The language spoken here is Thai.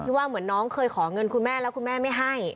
ว่าเหมือนน้องเคยขอเงินคุณแม่แล้วคุณแม่ไม่ให้